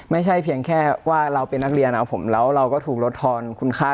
ไม่ใช่เพียงแค่ว่าเราเป็นนักเรียนนะครับผมแล้วเราก็ถูกลดทอนคุณค่า